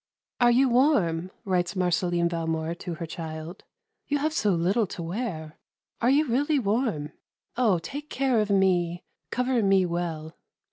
"Are you warm?" writes Marceline Valmore to her child. "You have so little to wear are you really warm? Oh, take care of me cover me well."